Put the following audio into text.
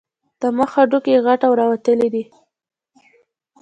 د مخ هډوکي یې غټ او راوتلي دي.